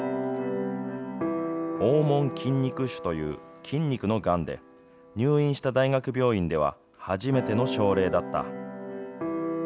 横紋筋肉腫という筋肉のがんで、入院した大学病院では、初めての症例だった。